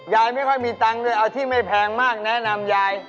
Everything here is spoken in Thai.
ยายไม่ค่อยมีตังค์ด้วยเอาที่ไม่แพงมากแนะนำยาย